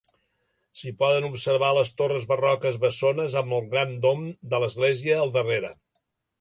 S'hi poden observar les torres barroques bessones amb el gran dom de l'església al darrere.